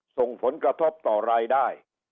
ส่งผลกระทบต่อรายได้